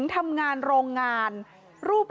เจ้าของห้องเช่าโพสต์คลิปนี้